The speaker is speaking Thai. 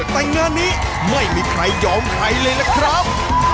แต่ในหน้านี้ไม่มีใครยอมไขเลยนะครับ